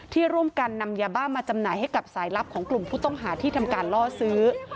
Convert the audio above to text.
ที่ร่วมกันนำยาบ้ามาจำหน่ายให้กับสายลับของกลุ่มผู้ต้องหาที่ทำการล่อซื้อ